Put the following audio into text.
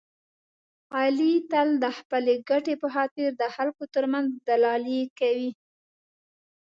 علي تل د خپلې ګټې په خاطر د خلکو ترمنځ دلالي کوي.